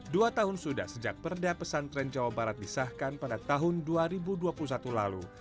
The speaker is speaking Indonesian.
dua tahun sudah sejak perda pesantren jawa barat disahkan pada tahun dua ribu dua puluh satu lalu